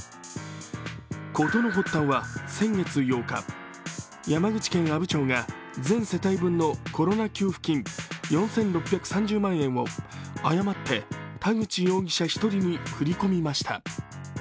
事の発端は先月８日、山口県阿武町が全世帯分のコロナ給付金４６３０万円を誤って田口容疑者１人に振り込みました。